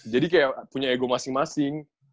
jadi kayak punya ego masing masing